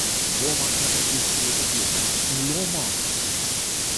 Loma Elementary School is located in Loma.